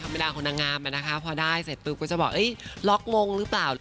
ธรรมดาของนางงามน่ะนะคะพอได้เสร็จปุ๊บก็จะบอกเอ๊ยล็อกมงหรือเปล่า